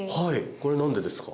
これは何でですか？